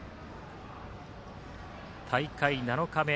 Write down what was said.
大会７日目